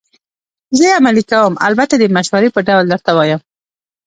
زه یې عملي کوم، البته د مشورې په ډول درته وایم.